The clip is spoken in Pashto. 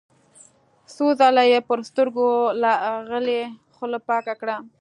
څو ځله يې پر سترګو لاغلې خوله پاکه کړه.